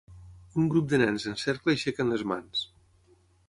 Un grup de nens en cercle aixequen les mans.